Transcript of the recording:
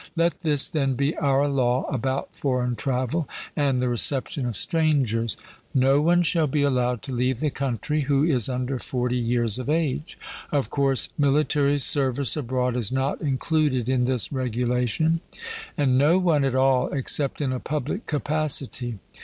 Let this, then, be our law about foreign travel and the reception of strangers: No one shall be allowed to leave the country who is under forty years of age of course military service abroad is not included in this regulation and no one at all except in a public capacity.